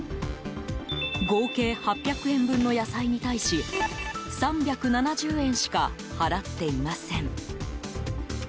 合計８００円分の野菜に対し３７０円しか払っていません。